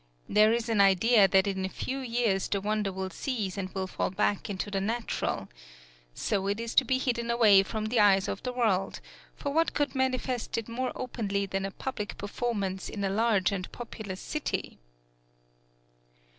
There is an idea that in a few years the wonder will cease and will fall back into the natural. So it is to be hidden away from the eyes of the world; for what could manifest it more openly than a public performance in a large and populous city?